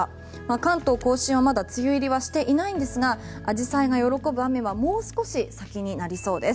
関東・甲信はまだ梅雨入りはしていないんですがアジサイが喜ぶ雨はもう少し先になりそうです。